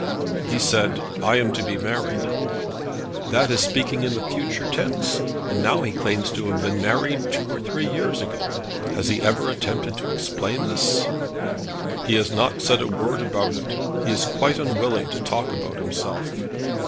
"He said, 'I am to be married.'" "That is speaking in the future tense; and now he claims to have been married two or three years ago. Has he ever attempted to explain this?" "He has not said a word about it. He is quite unwilling to talk about himself."